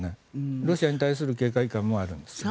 ロシアに対する警戒感もあるんですが。